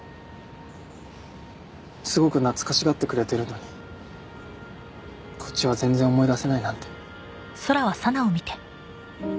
すごく懐かしがってくれてるのにこっちは全然思い出せないなんて